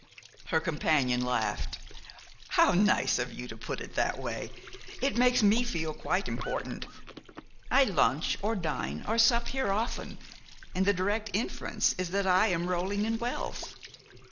Her companion laughed. "How nice of you to put it that way! It makes me feel quite important. I lunch or dine or sup here often, and the direct inference is that I am rolling in wealth."